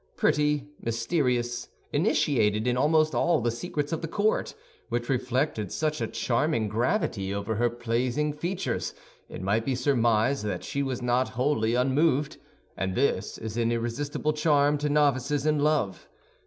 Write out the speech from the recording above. Pretty, mysterious, initiated in almost all the secrets of the court, which reflected such a charming gravity over her pleasing features, it might be surmised that she was not wholly unmoved; and this is an irresistible charm to novices in love.